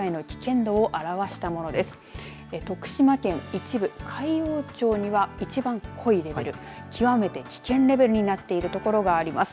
徳島県の一部海陽町には一番濃いレベル極めて危険レベルになっている所があります。